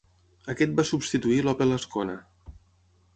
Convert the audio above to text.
Aquest va substituir l'Opel Ascona.